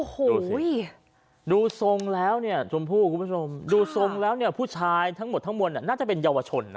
โอโหดูส่งละแม่นี้ดูส่งละบอสผูชายทั้งหมดคือน่าจะเป็นเยาว่าชนนะ